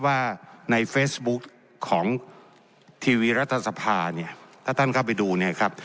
ว่าในเฟซบุ๊กของทีวีรัฐสภาเนี่ยถ้าท่านเข้าไปดูเนี่ยครับ